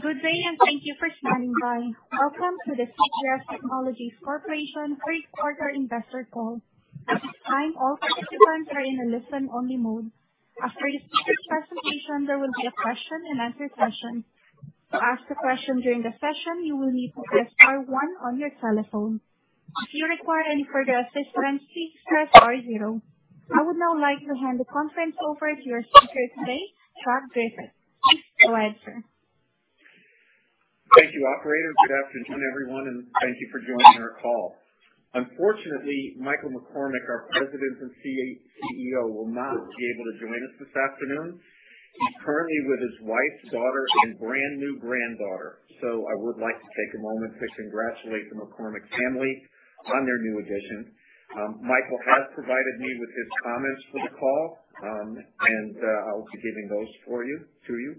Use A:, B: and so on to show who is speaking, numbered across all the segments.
A: Good day, and thank you for standing by. Welcome to the CPS Technologies Corporation third quarter investor call. At this time, all participants are in a listen-only mode. After the speaker's presentation, there will be a question-and-answer session. To ask a question during the session, you will need to press star one on your telephone. If you require any further assistance, please press star zero. I would now like to hand the conference over to your speaker today, Charles Griffith. Go ahead, sir.
B: Thank you, operator. Good afternoon, everyone, and thank you for joining our call. Unfortunately, Michael McCormack, our President and CEO, will not be able to join us this afternoon. He's currently with his wife, daughter, and brand-new granddaughter. I would like to take a moment to congratulate the McCormack family on their new addition. Michael has provided me with his comments for the call, and I'll be giving those to you.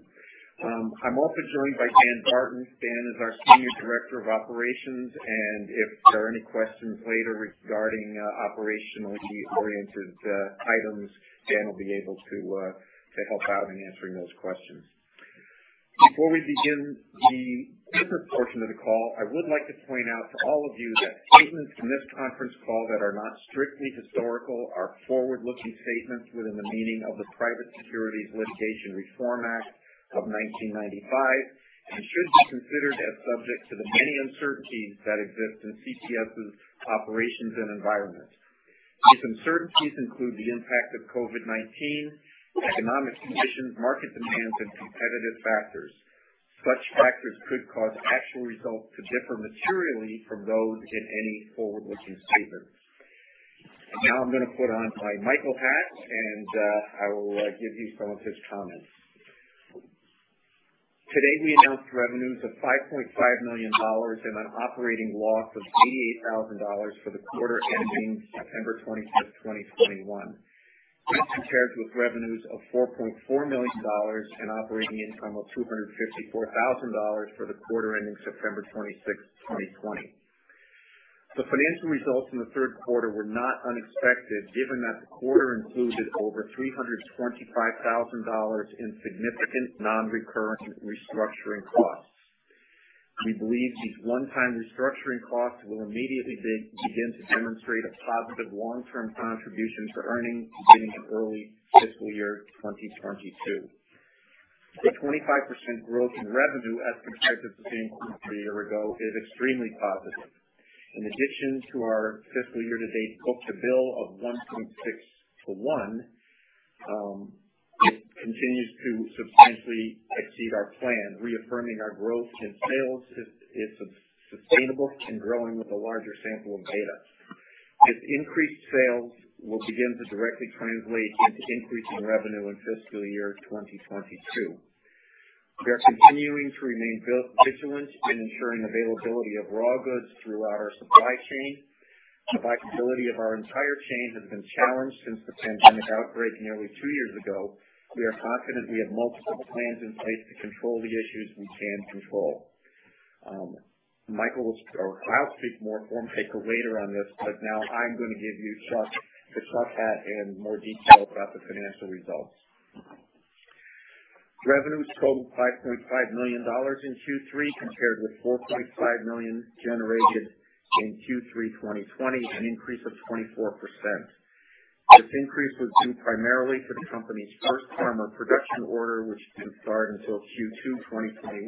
B: I'm also joined by Dan Barton. Dan is our Senior Director of Operations, and if there are any questions later regarding operationally oriented items, Dan will be able to help out in answering those questions. Before we begin the different portion of the call, I would like to point out to all of you that statements in this conference call that are not strictly historical are forward-looking statements within the meaning of the Private Securities Litigation Reform Act of 1995 and should be considered as subject to the many uncertainties that exist in CPS's operations and environment. These uncertainties include the impact of COVID-19, economic conditions, market demands, and competitive factors. Such factors could cause actual results to differ materially from those in any forward-looking statement. Now I'm gonna put on my Michael hat, and I will give you some of his comments. Today, we announced revenues of $5.5 million and an operating loss of $88,000 for the quarter ending September 25th, 2021. This compared with revenues of $4.4 million and operating income of $254,000 for the quarter ending September 26th, 2020. The financial results in the third quarter were not unexpected, given that the quarter included over $325,000 in significant non-recurrent restructuring costs. We believe these one-time restructuring costs will immediately begin to demonstrate a positive long-term contribution to earnings beginning in early fiscal year 2022. The 25% growth in revenue as compared to the same quarter a year ago is extremely positive. In addition to our fiscal year-to-date book-to-bill of 1.6-one, it continues to substantially exceed our plan, reaffirming our growth in sales is sustainable and growing with a larger sample of data. This increased sales will begin to directly translate into increasing revenue in fiscal year 2022. We are continuing to remain vigilant in ensuring availability of raw goods throughout our supply chain. The viability of our entire chain has been challenged since the pandemic outbreak nearly two years ago. We are confident we have multiple plans in place to control the issues we can control. I'll speak more in detail later on this, but now I'm gonna give it to Chuck for more detail about the financial results. Revenues totaled $5.5 million in Q3, compared with $4.5 million generated in Q3 2020, an increase of 24%. This increase was due primarily to the company's first pharma production order, which didn't start until Q2 2021,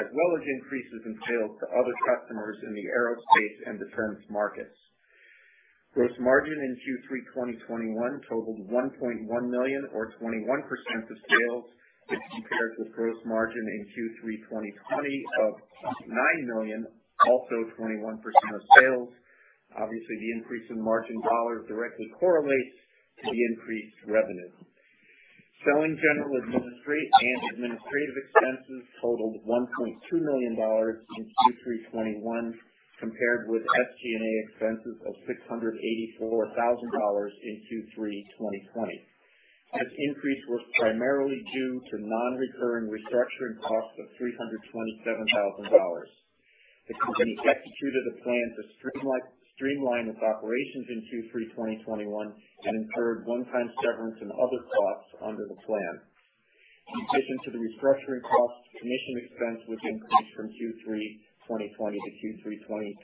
B: as well as increases in sales to other customers in the aerospace and defense markets. Gross margin in Q3 2021 totaled $1.1 million or 21% of sales as compared with gross margin in Q3 2020 of $0.9 million, also 21% of sales. Obviously, the increase in margin dollars directly correlates to the increased revenue. Selling, general, administrative, and administrative expenses totaled $1.2 million in Q3 2021, compared with SG&A expenses of $684,000 in Q3 2020. This increase was primarily due to non-recurring restructuring costs of $327,000. The company executed a plan to streamline its operations in Q3 2021 and incurred one-time severance and other costs under the plan. In addition to the restructuring costs, commission expense was increased from Q3 2020-Q3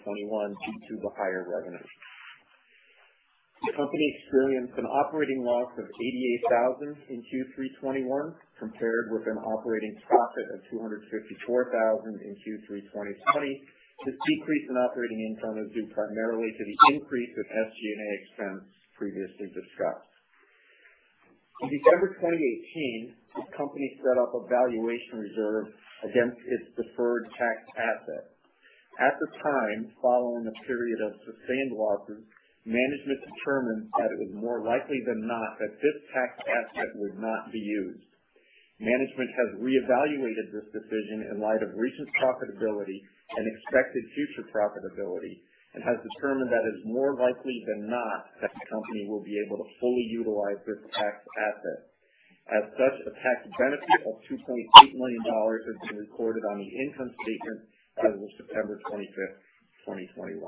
B: 2021 due to the higher revenue. The company experienced an operating loss of $88,000 in Q3 2021, compared with an operating profit of $254,000 in Q3 2020. This decrease in operating income is due primarily to the increase of SG&A expense previously discussed. In December 2018, the company set up a valuation reserve against its deferred tax asset. At the time, following a period of sustained losses, management determined that it was more likely than not that this tax asset would not be used. Management has reevaluated this decision in light of recent profitability and expected future profitability and has determined that it's more likely than not that the company will be able to fully utilize this tax asset. As such, a tax benefit of $2.8 million has been recorded on the income statement as of September 25th, 2021.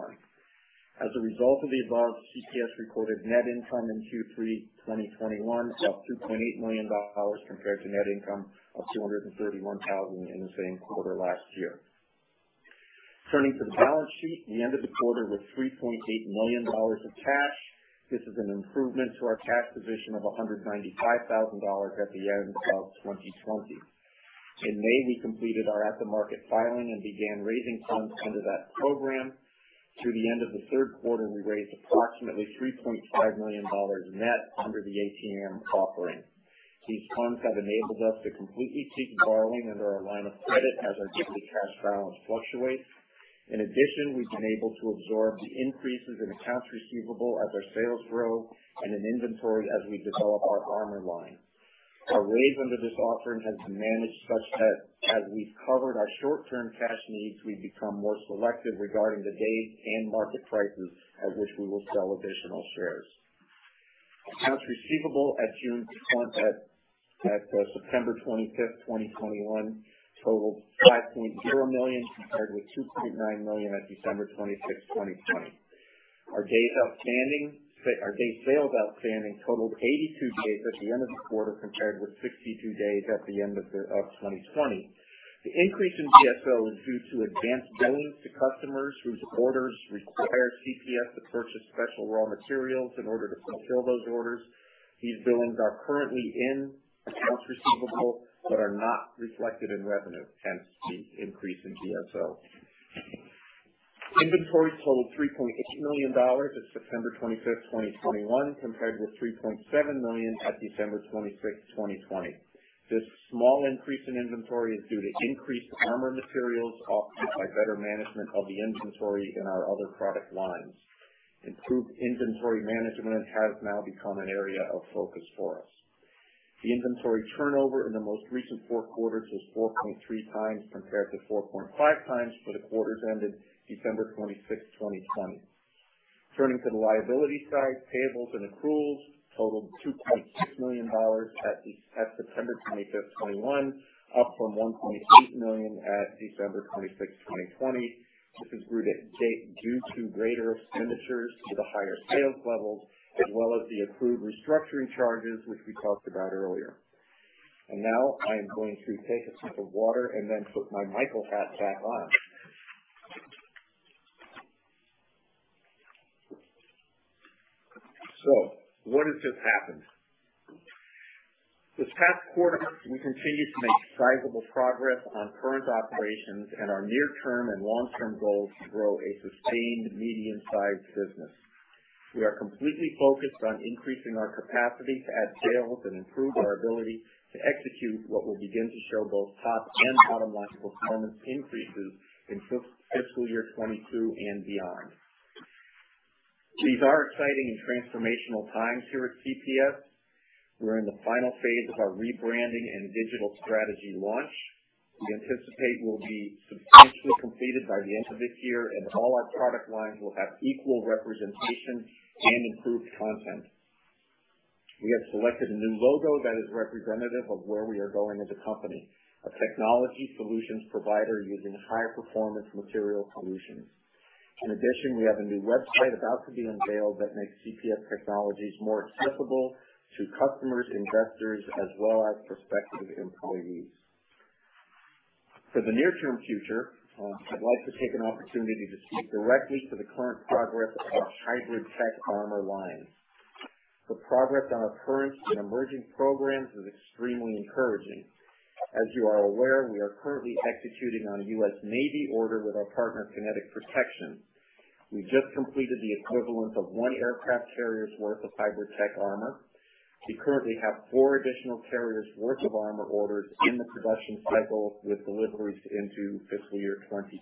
B: As a result of the above, CPS recorded net income in Q3 2021 of $2.8 million compared to net income of $231,000 in the same quarter last year. Turning to the balance sheet, we ended the quarter with $3.8 million of cash. This is an improvement to our cash position of $195,000 at the end of 2020. In May, we completed our at-the-market filing and began raising funds under that program. Through the end of the third quarter, we raised approximately $3.5 million net under the ATM offering. These funds have enabled us to completely cease borrowing under our line of credit as our daily cash balance fluctuates. In addition, we've been able to absorb the increases in accounts receivable as our sales grow and in inventory as we develop our armor line. Our raise under this offering has been managed such that as we've covered our short-term cash needs, we've become more selective regarding the date and market prices at which we will sell additional shares. Accounts receivable at September 25th, 2021 totaled $5.0 million compared with $2.9 million at December 26th, 2020. Our days sales outstanding totaled 82 days at the end of the quarter, compared with 62 days at the end of 2020. The increase in DSO is due to advanced billings to customers whose orders require CPS to purchase special raw materials in order to fulfill those orders. These billings are currently in accounts receivable, but are not reflected in revenue, hence the increase in DSO. Inventory totaled $3.8 million as of September 25th, 2021, compared with $3.7 million at December 26th, 2020. This small increase in inventory is due to increased armor materials, offset by better management of the inventory in our other product lines. Improved inventory management has now become an area of focus for us. The inventory turnover in the most recent four quarters was 4.3x compared to 4.5x for the quarters ending December 26th, 2020. Turning to the liability side, payables and accruals totaled $2.6 million at September 25th, 2021, up from $1.8 million at December 26th, 2020. This is due to greater expenditures for the higher sales levels as well as the accrued restructuring charges, which we talked about earlier. Now I am going to take a sip of water and then put my microphone back on. What has just happened? This past quarter, we continued to make sizable progress on current operations and our near-term and long-term goals to grow a sustained medium-sized business. We are completely focused on increasing our capacity to add sales and improve our ability to execute what will begin to show both top and bottom-line performance increases in fiscal year 2022 and beyond. These are exciting and transformational times here at CPS. We're in the final phase of our rebranding and digital strategy launch. We anticipate we'll be substantially completed by the end of this year, and all our product lines will have equal representation and improved content. We have selected a new logo that is representative of where we are going as a company, a technology solutions provider using high-performance material solutions. In addition, we have a new website about to be unveiled that makes CPS Technologies more accessible to customers, investors, as well as prospective employees. For the near-term future, I'd like to take an opportunity to speak directly to the current progress of our HybridTech Armor line. The progress on our current and emerging programs is extremely encouraging. As you are aware, we are currently executing on a U.S. Navy order with our partner, Kinetic Protection. We just completed the equivalent of one aircraft carrier's worth of HybridTech Armor. We currently have four additional carriers' worth of armor orders in the production cycle, with deliveries into fiscal year 2022.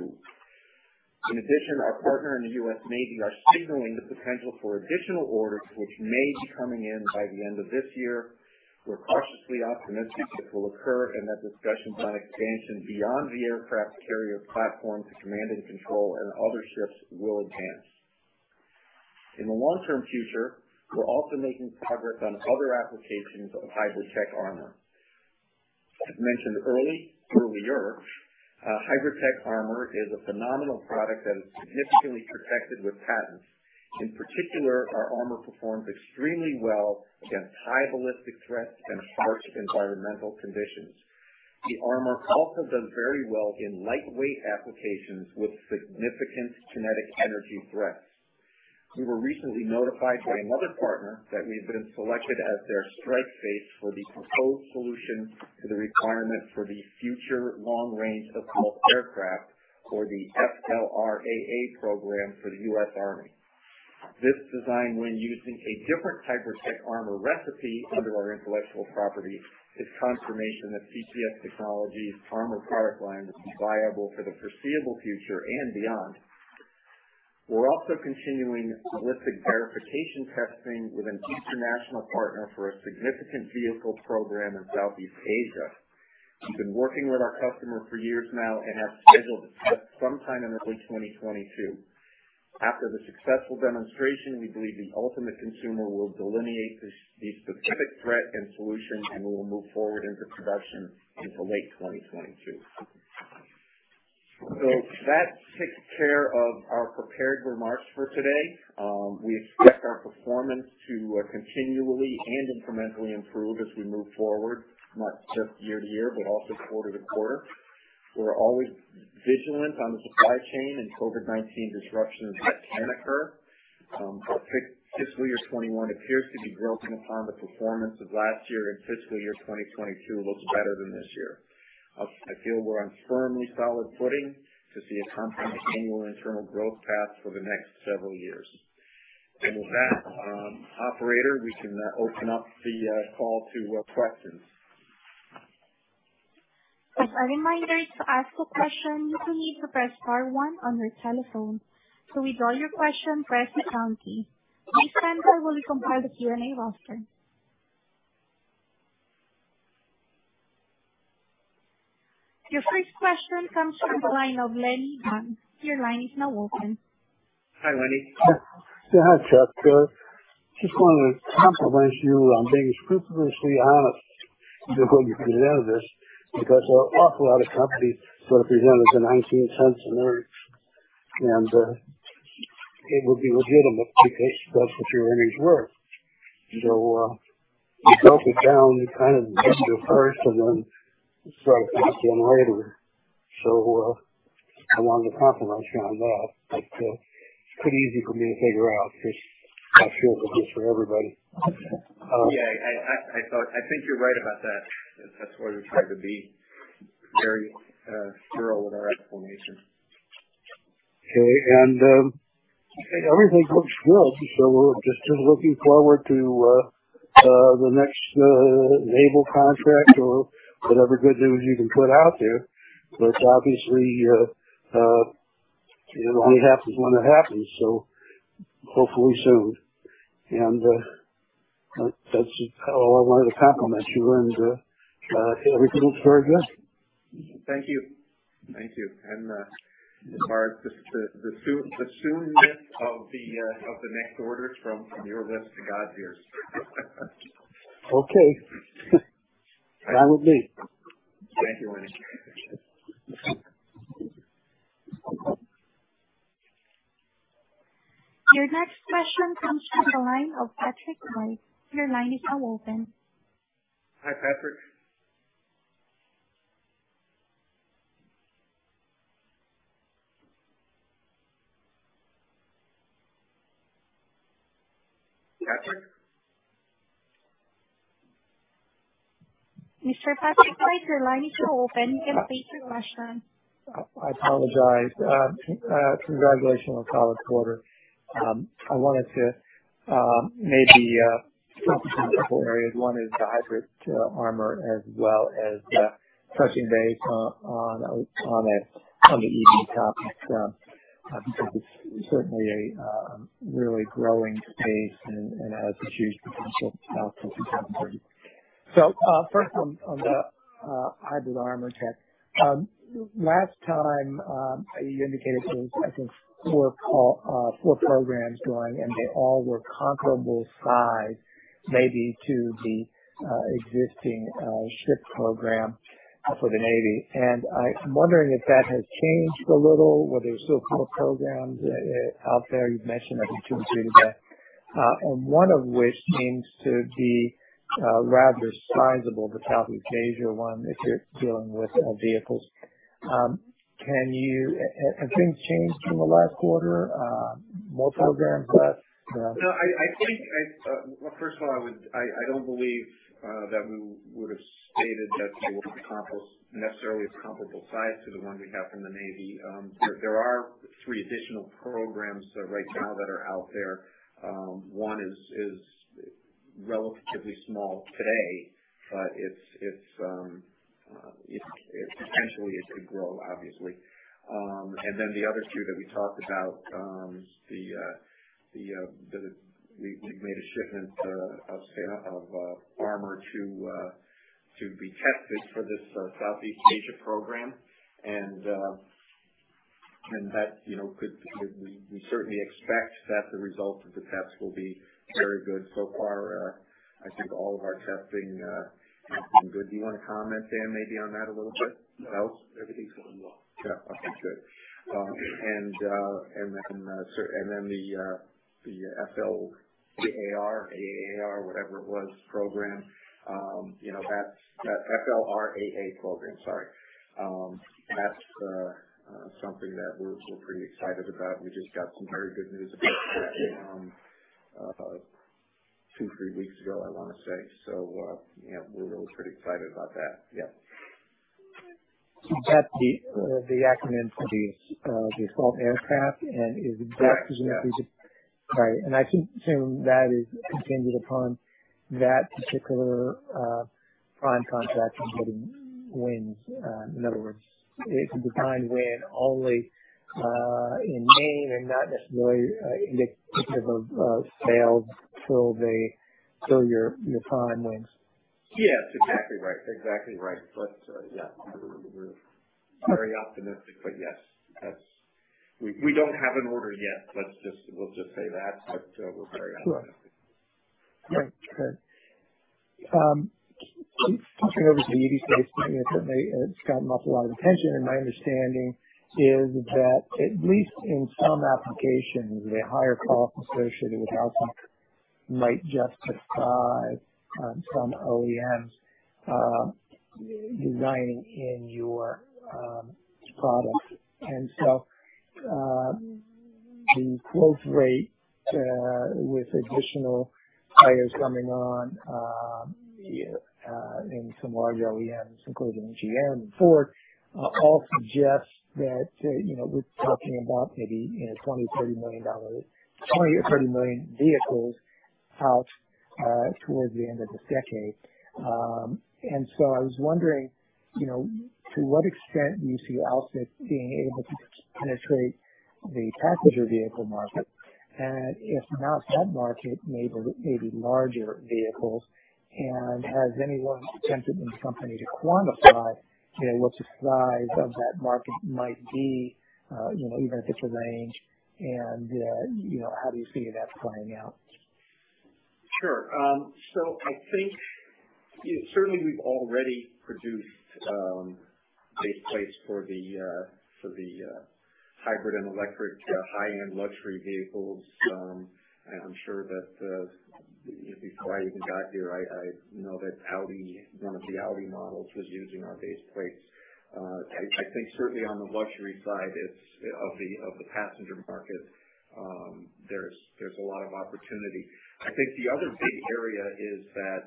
B: In addition, our partner and the U.S. Navy are signaling the potential for additional orders, which may be coming in by the end of this year. We're cautiously optimistic this will occur and that discussions on expansion beyond the aircraft carrier platform to command and control and other ships will advance. In the long-term future, we're also making progress on other applications of HybridTech Armor. As mentioned earlier, HybridTech Armor is a phenomenal product that is significantly protected with patents. In particular, our armor performs extremely well against high ballistic threats and harsh environmental conditions. The armor also does very well in lightweight applications with significant kinetic energy threats. We were recently notified by another partner that we've been selected as their strike base for the proposed solution to the requirement for the Future Long-Range Assault Aircraft or the FLRAA program for the U.S. Army. This design, when using a different HybridTech Armor recipe under our intellectual property, is confirmation that CPS Technologies' armor product line is viable for the foreseeable future and beyond. We're also continuing ballistic verification testing with an international partner for a significant vehicle program in Southeast Asia. We've been working with our customer for years now and have scheduled a test sometime in early 2022. After the successful demonstration, we believe the ultimate consumer will delineate the specific threat and solution, and we will move forward into production into late 2022. That takes care of our prepared remarks for today. We expect our performance to continually and incrementally improve as we move forward, not just year to year, but also quarter to quarter. We're always vigilant on the supply chain and COVID-19 disruptions that can occur. Fiscal year 2021 appears to be growing upon the performance of last year, and fiscal year 2022 looks better than this year. I feel we're on firmly solid footing to see a compound annual internal growth path for the next several years. With that, operator, we can open up the call to questions.
A: As a reminder to ask a question, you need to press star one on your telephone. To withdraw your question, press the pound key. Your center will compile the Q&A roster. Your first question comes from the line of Lenny Dunn. Your line is now open.
B: Hi, Lenny.
C: Hi, Chuck. Just wanted to compliment you on being scrupulously honest with what you presented this because an awful lot of companies would have presented the $0.19 a share and it would be legitimate because that's what your earnings were. You broke it down, kind of addressed it first and then started asking later. I wanted to compliment you on that. It's pretty easy for me to figure out because it feels good for everybody.
B: Yeah, I think you're right about that. That's why we try to be very thorough with our explanation.
C: Okay. Everything looks good, so we're just looking forward to the next naval contract or whatever good news you can put out there. Obviously, it only happens when it happens, so hopefully soon. That's all I wanted to compliment you and everything looks very good.
B: Thank you. As far as the soonness of the next orders from your lips to God's ears.
C: Okay. Fine with me.
B: Thank you, Lenny. I appreciate it.
A: Your next question comes from the line of Patrick White. Your line is now open.
B: Hi, Patrick. Patrick?
A: Mr. Patrick White, your line is now open. You can state your question.
C: I apologize. Congratulations on a solid quarter. I wanted to maybe focus on a couple areas. One is the HybridTech Armor as well as touching base on the EV topic. Because it's certainly a really growing space and has huge potential for thousands and thousands. First on the HybridTech Armor. Last time you indicated there was, I think, four programs going, and they all were comparable size maybe to the existing ship program for the Navy. I'm wondering if that has changed a little, whether there's still four programs out there. You've mentioned, I think two or three today, and one of which seems to be rather sizable, the Southeast Asia one that you're dealing with on vehicles. Have things changed from the last quarter, multiple programs less, you know?
B: No, I think I've. Well, first of all, I don't believe that we would have stated that they were composite necessarily of comparable size to the one we have from the Navy. There are three additional programs right now that are out there. One is relatively small today, but it potentially could grow, obviously. The other two that we talked about, we made a shipment of armor to be tested for this Southeast Asia program. That, you know, could. We certainly expect that the result of the tests will be very good so far. I think all of our testing has been good. Do you wanna comment, Dan, maybe on that a little bit? No?
D: Everything's going well.
B: Yeah. Okay, good. The FLRAA program, you know, that's something that we're pretty excited about. We just got some very good news about that, two-three weeks ago, I wanna say. You know, we're really pretty excited about that. Yeah.
C: Is that the acronym for the assault aircraft? Is that-
B: Yeah.
C: Right. I can assume that is contingent upon that particular prime contract and getting wins. In other words, it's a design win only in name and not necessarily indicative of sales till your prime wins.
B: Yes, exactly right. We're very optimistic, but yes, that's. We don't have an order yet. We'll just say that, but we're very optimistic.
C: Great. Okay. Switching over to the EV. It's gotten a lot of attention, and my understanding is that at least in some applications, the higher cost associated with AlSiC might justify some OEMs designing in your product. The growth rate with additional players coming on in some large OEMs, including GM and Ford, all suggests that, you know, we're talking about maybe, you know, 20 or 30 million vehicles out towards the end of this decade. I was wondering, you know, to what extent do you see AlSiC being able to penetrate the passenger vehicle market, and if not that market, maybe larger vehicles. Has anyone attempted in the company to quantify, you know, what the size of that market might be, you know, even if it's a range, and, you know, how do you see that playing out?
B: Sure. I think certainly we've already produced base plates for the hybrid and electric high-end luxury vehicles. I'm sure that before I even got here, I know that Audi, one of the Audi models was using our base plates. I think certainly on the luxury side, it's of the passenger market, there's a lot of opportunity. I think the other big area is that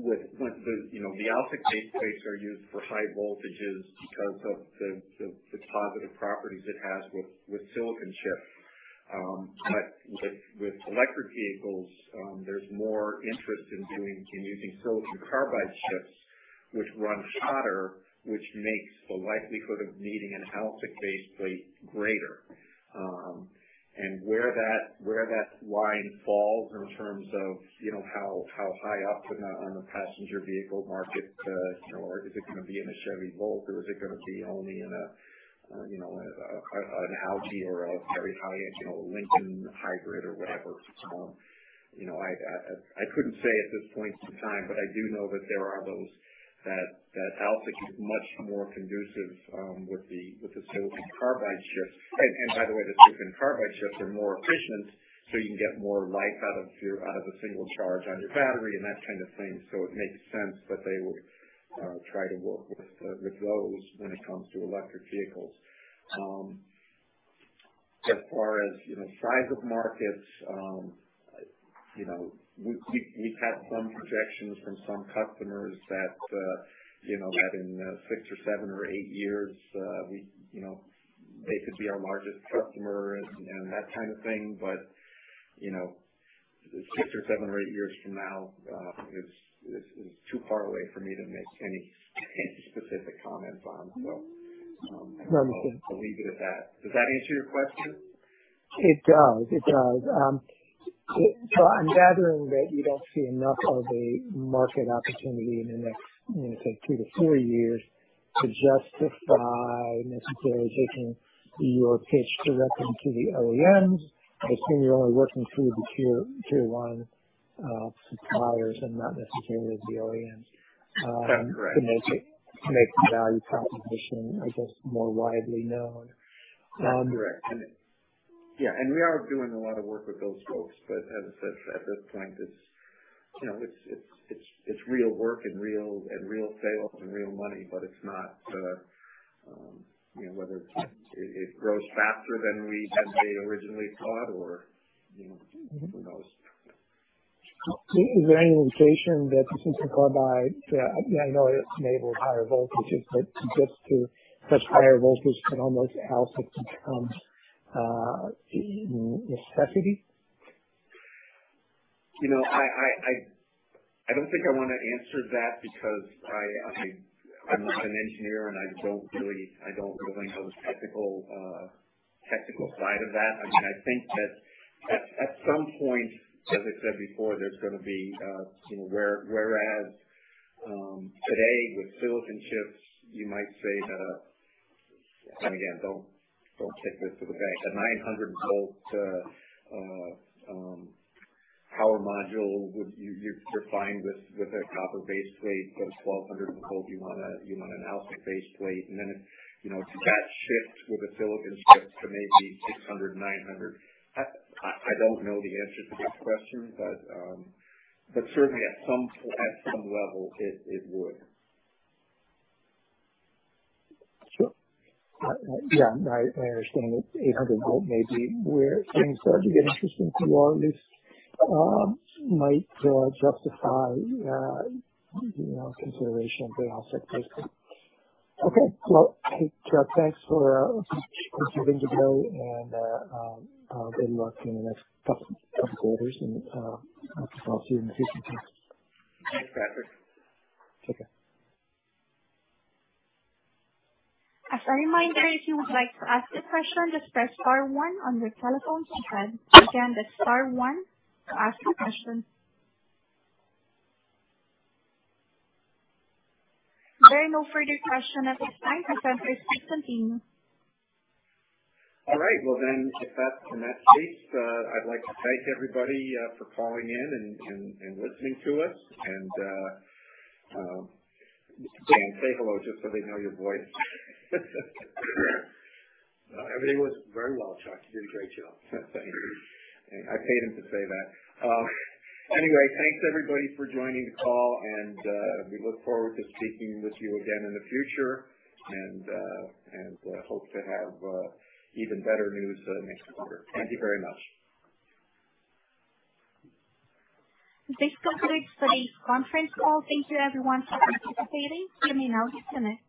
B: with the, you know, the AlSiC base plates are used for high voltages because of the positive properties it has with silicon chips. With electric vehicles, there's more interest in using silicon carbide chips which run hotter, which makes the likelihood of needing an AlSiC base plate greater. Where that line falls in terms of, you know, how high up in a, on the passenger vehicle market, you know, or is it gonna be in a Chevy Volt or is it gonna be only in an Audi or a very high-end, you know, Lincoln hybrid or whatever. You know, I couldn't say at this point in time, but I do know that there are those that AlSiC is much more conducive with the silicon carbide chips. By the way, the silicon carbide chips are more efficient, so you can get more life out of a single charge on your battery and that kind of thing. It makes sense that they would try to work with those when it comes to electric vehicles. As far as you know size of markets you know we've had some projections from some customers that you know that in six or seven or eight years you know they could be our largest customer and that kind of thing. You know six or seven or eight years from now is too far away for me to make any specific comments on.
C: No.
B: I'll leave it at that. Does that answer your question?
C: It does. I'm gathering that you don't see enough of a market opportunity in the next, say, two-four years to justify necessarily taking your pitch directly to the OEMs. I assume you're only working through the tier one suppliers and not necessarily the OEMs.
B: That's correct.
C: To make the value proposition, I guess, more widely known.
B: Correct. Yeah, we are doing a lot of work with those folks. As I said, at this point, it's, you know, it's real work and real sales and real money, but it's not, you know, whether it grows faster than we had maybe originally thought or, you know, who knows.
C: Is there any indication that the silicon carbide, I know it enables higher voltages, but to get to such higher voltage, can AlSiC almost become a necessity?
B: You know, I don't think I wanna answer that because I'm not an engineer, and I don't really know the technical side of that. I mean, I think that at some point, as I said before, there's gonna be, you know, whereas today with silicon chips you might say that, and again, don't take this to the bank. The 900 V power module would. You're fine with a copper base plate. Goes 1200 V, you want an AlSiC base plate. And then it, you know, that shifts with the silicon chips to maybe 600, 900. I don't know the answer to that question, but certainly at some level it would.
C: Sure. Yeah, I understand that 800 V may be where things start to get interesting to you all. This might justify, you know, consideration of the AlSiC base plate. Okay. Well, hey, Chuck, thanks for keeping it low and good luck in the next couple quarters and I'll talk to you in the future too.
B: Thanks, Patrick.
C: Okay.
A: As a reminder, if you would like to ask a question, just press star one on your telephone keypad. Again, that's star one to ask a question. There are no further questions at this time. The conference is continuing.
B: All right. Well, then if that's in that case, I'd like to thank everybody for calling in and listening to us and, Dan, say hello just so they know your voice.
D: Everything was very well, Chuck. You did a great job.
B: Thanks. I paid him to say that. Anyway, thanks everybody for joining the call and we look forward to speaking with you again in the future and hope to have even better news next quarter. Thank you very much.
A: This concludes today's conference call. Thank you everyone for participating. You may now disconnect.